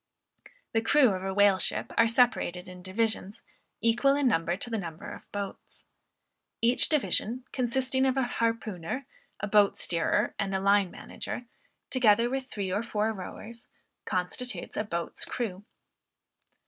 The crew of a whale ship are separated in divisions, equal in number to the number of the boats. Each division, consisting of a harpooner, a boat steerer, and a line manager, together with three or four rowers, constitutes a "boats crew."